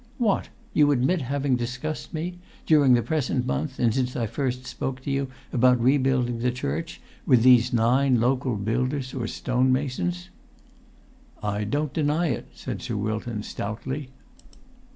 "What! You admit having discussed me, during the present month, and since I first spoke to you about rebuilding the church, with these nine local builders or stonemasons?" "I don't deny it," said Sir Wilton, stoutly.